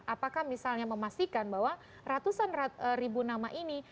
apakah misalnya memastikan bahwa ratusan ribu nama ini